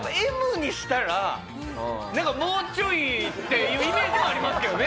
うれしいうれしい。っていうイメージはありますけどね。